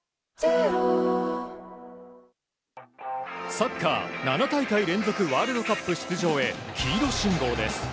サッカー７大会連続ワールドカップ出場へ黄色信号です。